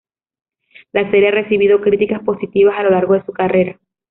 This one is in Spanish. La serie ha recibido críticas positivas a lo largo de su carrera.